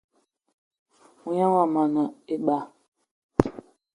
Mognan yomo a ne eba